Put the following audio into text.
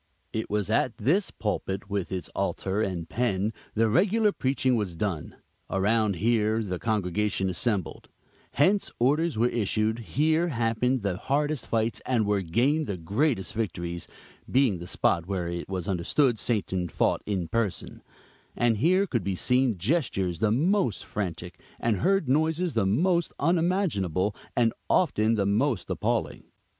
It was at this pulpit, with its altar and pen, the regular preaching was done; around here the congregation assembled; hence orders were issued; here, happened the hardest fights, and were gained the greatest victories, being the spot where it was understood Satan fought in person; and here could be seen gestures the most frantic, and heard noises the most unimaginable, and often the most appalling.